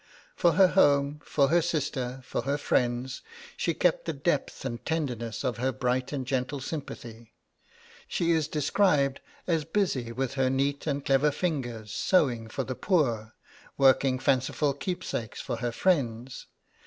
For her home, for her sister, for her friends, she kept the depth and tenderness of her bright and gentle sympathy. She is described as busy with her neat and clever fingers sewing for the poor, working fanciful keepsakes for her friends.